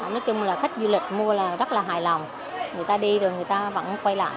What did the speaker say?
nói chung là khách du lịch mua là rất là hài lòng người ta đi rồi người ta vẫn quay lại